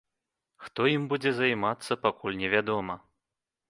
Хто ім будзе займацца пакуль невядома.